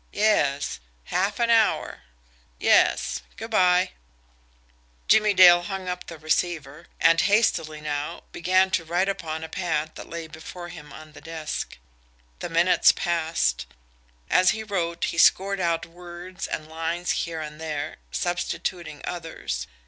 ... Yes. ... Half an hour. ... YES. ... Good bye." Jimmie Dale hung up the receiver; and, hastily now, began to write upon a pad that lay before him on the desk. The minutes passed. As he wrote, he scored out words and lines here and there, substituting others.